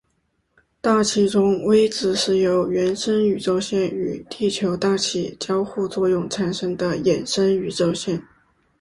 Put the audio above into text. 大气中微子是由原生宇宙线与地球大气交互作用产生的衍生宇宙线。